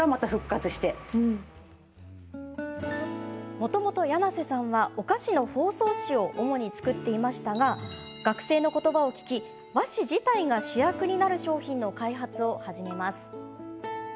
もともと柳瀬さんはお菓子の包装紙を主に作っていましたが学生の言葉を聞き、和紙自体が主役になる商品の開発を始めます。